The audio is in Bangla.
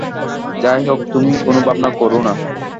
যাই হোক, তুমি কোনো ভাবনা কোরো না।